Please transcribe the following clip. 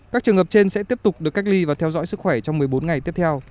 các trường hợp trên sẽ tiếp tục được cách ly và theo dõi sức khỏe trong một mươi bốn ngày tiếp theo